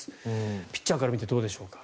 ピッチャーから見てどうでしょうか。